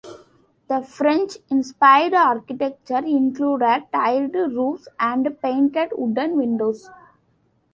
The French-inspired architecture included tiled roofs and painted wooden windows.